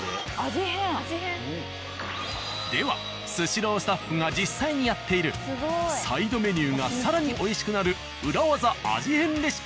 では「スシロー」スタッフが実際にやっているサイドメニューが更に美味しくなる裏ワザ味変レシピを発表！